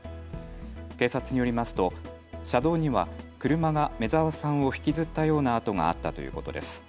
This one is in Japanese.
警察によりますと車道には車が目澤さんを引きずったような跡があったということです。